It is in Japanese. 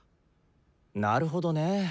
なるほどね。